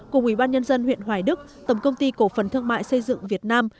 cùng ubnd huyện hoài đức tổng công ty cổ phần thương mại xây dựng việt nam